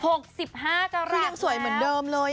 ยังสวยเหมือนเดิมเลย